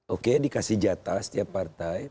oke dikasih jatah setiap partai